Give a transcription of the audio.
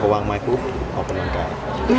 อวกกำลังกาย